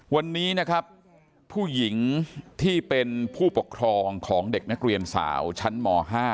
วันนี้นะครับผู้หญิงที่เป็นผู้ปกครองของเด็กนักเรียนสาวชั้นม๕